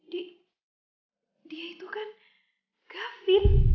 hah dia itu kan gavin